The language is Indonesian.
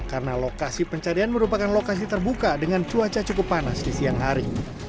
karena lokasi pencarian merupakan lokasi terbuka dengan cuaca cukup panas di siang hari